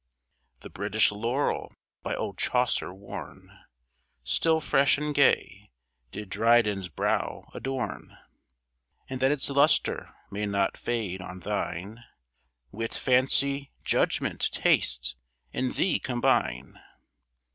The British Laurel by old Chaucer worn, Still Fresh and Gay, did Dryden's Brow Adorn; And that its Lustre may not fade on Thine, Wit, Fancy, Judgment, Taste, in thee combine.